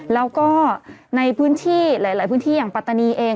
แล้วก็ในพื้นที่หลายพื้นที่อย่างปัตตานีเอง